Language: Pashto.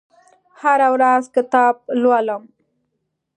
هره ورځ کتاب لولم